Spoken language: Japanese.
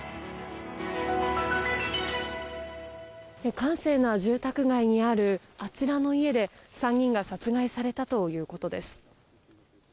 閑静な住宅街にあるあちらの家で３人が殺害されたということです。